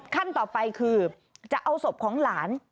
ขั้นต่อไปคือจะเอาศพของหลาน